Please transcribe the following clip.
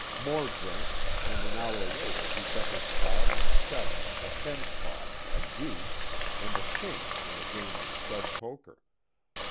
More drinks, and an hour later he bet his pile on a seven, a ten spot, a deuce, and a king in a game of stud poker.